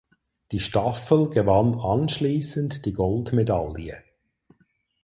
Die Staffel gewann anschließend die Goldmedaille.